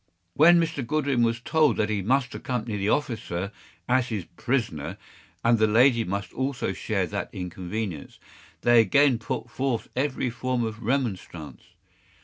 When Mr. Goodwin was told that he must accompany the officer as his prisoner, and that the lady must also share that inconvenience, they again put forth every form of remonstrance.